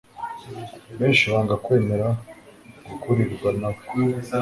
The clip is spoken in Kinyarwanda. Benshi-banga kwemera gukurirwa na we.